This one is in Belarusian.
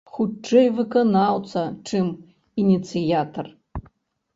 Хутчэй, выканаўца, чым ініцыятар?